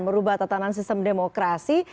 merubah tatanan sistem demokrasi